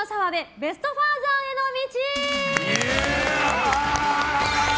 ベストファーザーへの道。